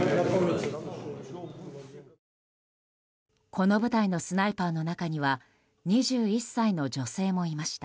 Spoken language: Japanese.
この部隊のスナイパーの中には２１歳の女性もいました。